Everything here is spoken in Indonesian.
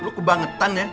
lo kebangetan ya